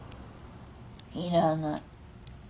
いらない。